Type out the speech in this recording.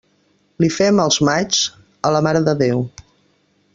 Li fem els maigs a la Mare de Déu.